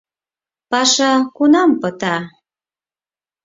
Паша кунам пыта?